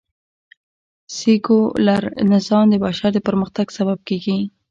سکیولر نظام د بشر د پرمختګ سبب کېږي